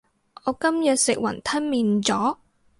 我今日食雲吞麵咗